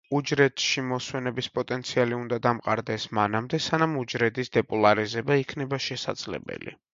უჯრედში მოსვენების პოტენციალი უნდა დამყარდეს მანამდე, სანამ უჯრედის დეპოლარიზება იქნება შესაძლებელი.